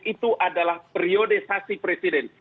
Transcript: itu adalah periode saksi presiden